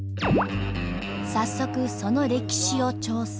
早速その歴史を調査。